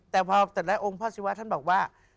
แต่พอแต่ละองค์พ่อศิวะท่านบอกว่า